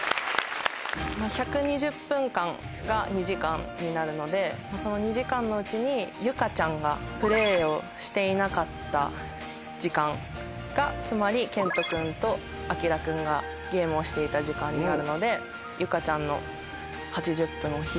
１２０分間が２時間になるのでその２時間のうちにゆかちゃんがプレーをしていなかった時間がつまりけんと君とあきら君がゲームをしていた時間になるのでゆかちゃんの８０分を引いて４０分という答えになりました。